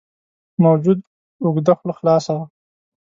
موجود اوږده خوله خلاصه وه.